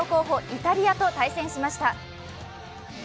イタリアと対戦しました。